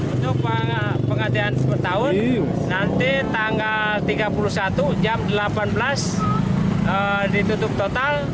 untuk pengantian per tahun nanti tanggal tiga puluh satu jam delapan belas ditutup total